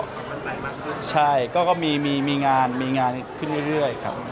คิดว่าเราทำในสิ่งที่พี่พ่อวางแผ่นที่เขาตกเรา